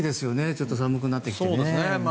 ちょっと寒くなってきて。